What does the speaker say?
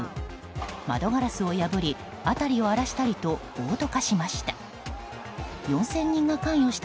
窓ガラスを破り辺りを荒らしたりと暴徒化しました。